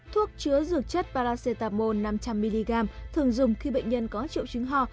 thuốc chứa dược chất paracetamol năm trăm linh mg thường dùng khi bệnh nhân có triệu chứng ho